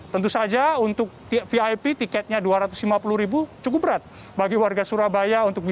tentu saja untuk vip tiketnya rp dua ratus lima puluh cukup berat